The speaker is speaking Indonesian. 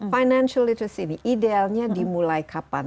financial itues ini idealnya dimulai kapan